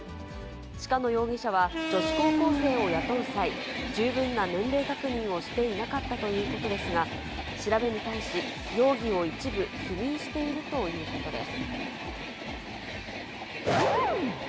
鹿野容疑者は、女子高校生を雇う際、十分な年齢確認をしていなかったということですが、調べに対し、容疑を一部否認しているということです。